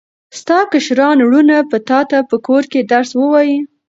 ستا کشران وروڼه به تاته په کور کې درس ووایي.